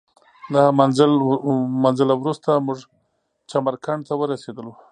نهه منزله وروسته موږ چمرکنډ ته ورسېدلو.